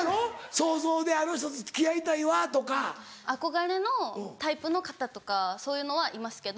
想像で「あの人と付き合いたいわ」とか。憧れのタイプの方とかそういうのはいますけど。